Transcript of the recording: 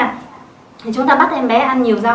thì chúng ta bắt em bé ăn nhiều rau